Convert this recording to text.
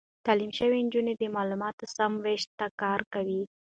تعليم شوې نجونې د معلوماتو سم وېش ته کار کوي.